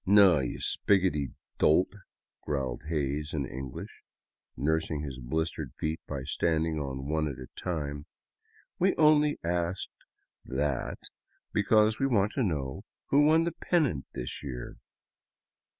"" No, you Spiggoty dolt," growled Hays in English, nursing his blistered feet by standing on one at a time, " We only asked that be cause we wanted to know who won the pennant this year."